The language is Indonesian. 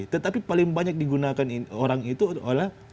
tetapi paling banyak digunakan orang itu adalah